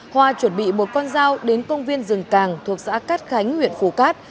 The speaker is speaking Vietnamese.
hòa chuẩn bị một con dao đến công viên rừng càng thuộc xã cát khánh huyện phù cát